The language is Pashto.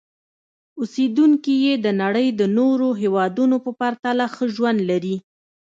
اوسېدونکي یې د نړۍ نورو هېوادونو په پرتله ښه ژوند لري.